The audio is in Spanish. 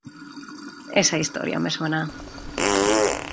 esa historia me suena.